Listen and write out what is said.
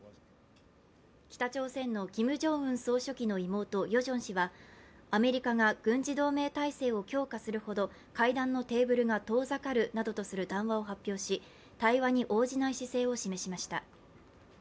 北朝鮮のキム・ジョンウン総書記の妹ヨジョン氏は、アメリカが軍事同盟体制を強化するほど会談のテーブルが遠ざかるなどとする談話を発表し対話に応じない姿勢を示しました。